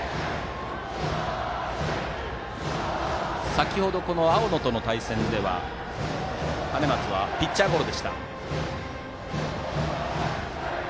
先程、青野との対戦では兼松はピッチャーゴロ。